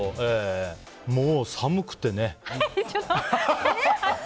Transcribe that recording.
もう、寒くてね。